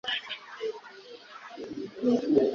birashoboka ko yahuye nibibazo nkibi